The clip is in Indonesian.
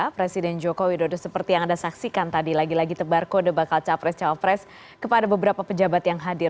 presiden joko widodo seperti yang anda saksikan tadi lagi lagi tebar kode bakal capres cawapres kepada beberapa pejabat yang hadir